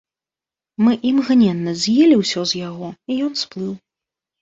Мы імгненна з'елі ўсё з яго, і ён сплыў.